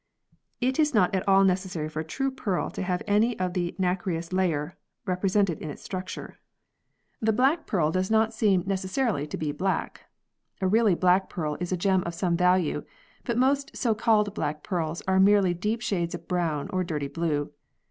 It is not at all necessary for a true pearl to have any of the nacreous layer represented in its structure. The black pearl does not seem necessarily to be 64 PEARLS [CH. black ! A really black pearl is a gem of some value, but most so called black pearls are merely deep shades of brown, or dirty blue.